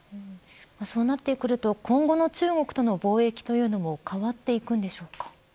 そうなってくると今後の中国との貿易というのも変わっていくのでしょうか。